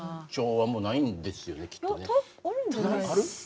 はい。